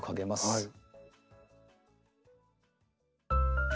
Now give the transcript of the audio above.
はい。